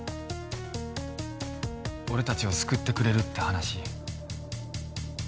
俺たちを救ってくれるって話本当か？